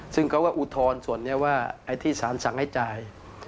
ซึ่งเขาก็อุทธรณ์ส่วนนี้ว่าไอ้ที่สารสั่งให้จ่าย